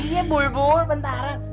iya bul bul bentar